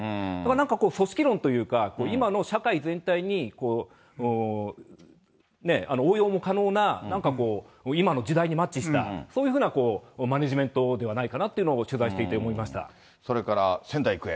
なんかこう、組織論というか、今の社会全体に応用も可能な、なんかこう、今の時代にマッチした、そういうふうなマネジメントではないかなというのを取材していてそれから仙台育英。